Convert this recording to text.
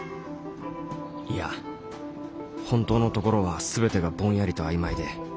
いや本当のところは全てがぼんやりと曖昧で。